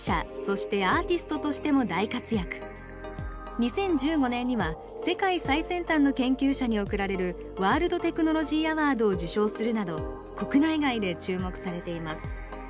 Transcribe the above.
２０１５年には世界最先端の研究者におくられるワールド・テクノロジー・アワードを受賞するなど国内外で注目されています。